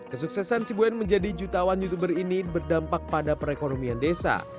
kesuksesan si boen menjadi jutaan youtuber ini berdampak pada perekonomian desa